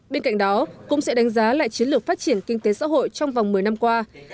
bên cạnh đó cũng sẽ đánh giá lại chiến lược phát triển kinh tế xã hội trong vòng một mươi năm qua